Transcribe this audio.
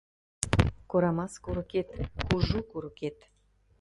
Корамас курыкет — кужу курыкет